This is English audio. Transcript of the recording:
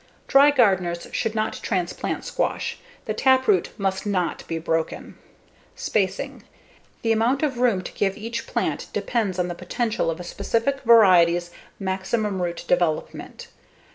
Dry gardeners should not transplant squash; the taproot must not be broken. Spacing: The amount of room to give each plant depends on the potential of a specific variety's maximum root development.